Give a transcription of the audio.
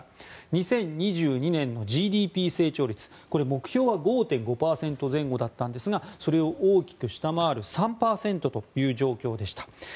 ２０２２年のＧＤＰ成長率目標は５．５％前後でしたがそれを大きく下回る３％という状況でした。